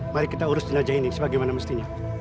mari kita urusin saja ini sebagaimana mestinya